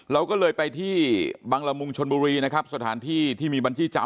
เราก็เลยไปที่บังละมุงชนบุรีนะครับสถานที่ที่มีบัญชีจำ